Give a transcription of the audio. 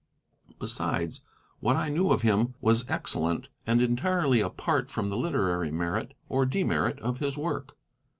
Besides, what I knew of him was excellent, and entirely apart from the literary merit or demerit of his work.